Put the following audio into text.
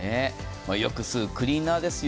よく吸うクリーナーですよ。